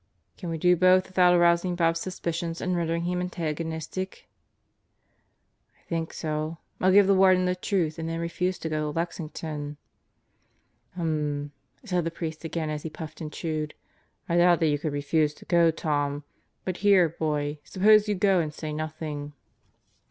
"Can we do both without arousing Bob's suspicions and rendering him antagonistic?" "I think so. I'll give the Warden the truth and then refuse to go to Lexington." "Ummm," said the priest again as he puffed and chewed. "I doubt that you could refuse to go, Tom. But here, boy, suppose you go and say nothing."